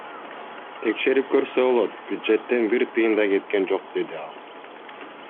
Текшерип көрсө болот, бюджеттен бир тыйын да кеткен жок, — деди ал.